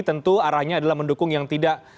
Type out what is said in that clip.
tentu arahnya adalah mendukung yang tidak